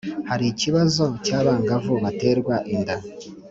Hari ikibazo cy’abangavu baterwa inda